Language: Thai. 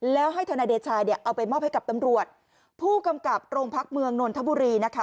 แล้วให้ทนายเดชาเนี่ยเอาไปมอบให้กับตำรวจผู้กำกับโรงพักเมืองนนทบุรีนะคะ